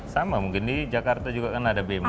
sama mungkin di jakarta juga kan ada bmk